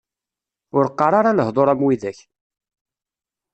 Ur qqar ara lehdur am widak!